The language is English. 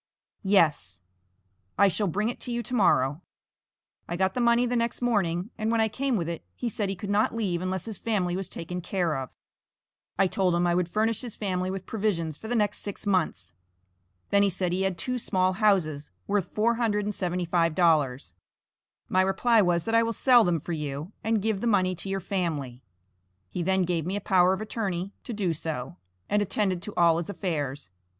"Yes." I shall bring it to you to morrow. I got the money the next morning, and when I came with it, he said, he could not leave unless his family was taken care of. I told him I would furnish his family with provisions for the next six months. Then he said he had two small houses, worth four hundred and seventy five dollars. My reply was that I will sell them for you, and give the money to your family. He then gave me a power of attorney to do so, and attended to all his affairs.